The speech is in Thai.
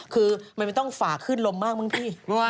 คือมันไม่ต้องฝาขึ้นลมมากมั้งพี่